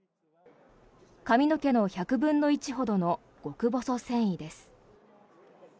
髪の毛の１００分の１ほどの極細繊維です。